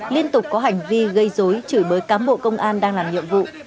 liên tục có hành vi gây dối chửi bới cám bộ công an đang làm nhiệm vụ